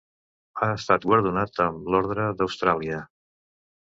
Ha estat guardonat amb l'Orde d'Austràlia.